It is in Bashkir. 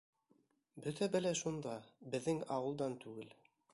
Бөтә бәлә шунда: беҙҙең ауылдан түгел.